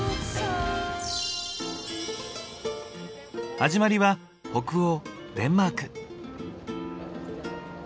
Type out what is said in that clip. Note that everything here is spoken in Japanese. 始まりは北欧デンマーク。